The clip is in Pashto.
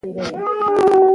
سړی د زحمت پایله ویني